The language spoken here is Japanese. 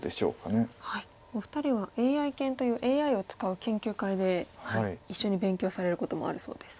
お二人はＡＩ研というＡＩを使う研究会で一緒に勉強されることもあるそうです。